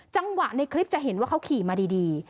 จังหวะในคลิปจะเห็นว่าเขาขี่มาดี